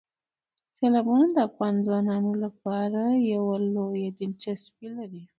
سیلابونه د افغان ځوانانو لپاره یوه لویه دلچسپي لري.